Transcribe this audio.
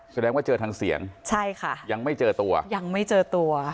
แสดงว่าเจอทางเสียงใช่ค่ะยังไม่เจอตัวยังไม่เจอตัว